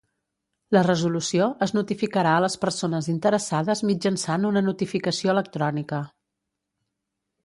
La resolució es notificarà a les persones interessades mitjançant una notificació electrònica.